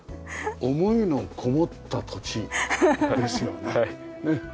思いのこもった土地ですよね。